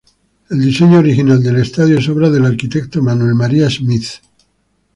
El diseño original del estadio es obra del arquitecto Manuel María Smith.